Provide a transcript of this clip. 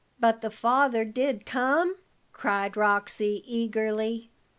"But the father did come?" cried Roxy, eagerly.